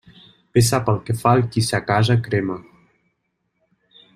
Bé sap el que fa el qui sa casa crema.